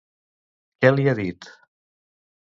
Què li ha dit?